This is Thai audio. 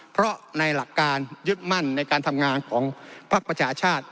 เพราะในหลักการยึดมั่นในการทำงานของภักดิ์ประชาชาติ